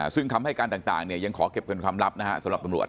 ซึ่งคำให้การต่างยังขอเก็บเป็นความลับนะฮะสำหรับตำรวจ